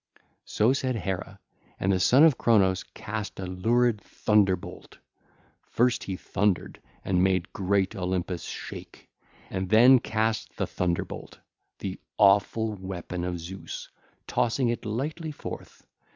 (ll. 285 293) So said Hera: and the Son of Cronos cast a lurid thunderbolt: first he thundered and made great Olympus shake, and the cast the thunderbolt, the awful weapon of Zeus, tossing it lightly forth.